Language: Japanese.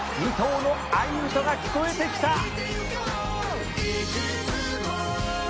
「２頭の愛唄が聞こえてきた」